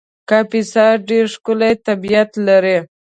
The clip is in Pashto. کاپیسا ډېر ښکلی طبیعت لري